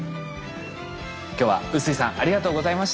今日は臼井さんありがとうございました。